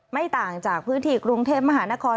ไม่ต่างจากพื้นที่กรุงเทพมหานคร